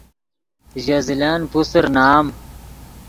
ژے زلن پوسر نام